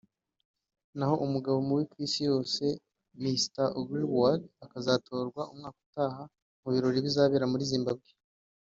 naho umugabo mubi ku isi yose (Mr Ugly World) akazatorwa umwaka utaha mu birori bizabera muri Zimbabwe